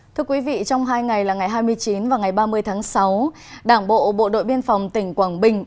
thưa quý vị trong hai ngày là ngày hai mươi chín và ngày ba mươi tháng sáu đảng bộ bộ đội biên phòng tỉnh quảng bình